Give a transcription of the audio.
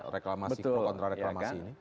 soal reklamasi kontra reklamasi ini